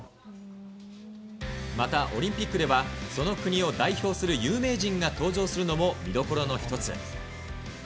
また、オリンピックではその国を代表する有名人が登場するのも見どころの一つ。